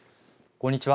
こんにちは。